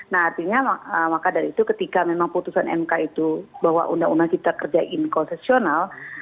nah artinya maka dari itu ketika memang putusan mk itu bahwa undang undang cipta kerja inkonstitusional